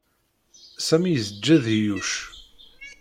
Sami yesǧed i Yuc.